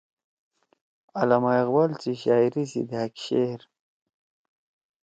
علامہ اقبال سی شاعری سی دھأک شعر